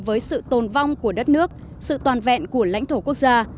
với sự tồn vong của đất nước sự toàn vẹn của lãnh thổ quốc gia